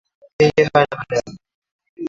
Yeye hana adabu